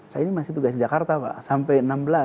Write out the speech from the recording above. saya ini masih tugas jakarta pak sampai enam belas